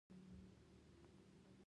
زه شپږ کوچنيان لرم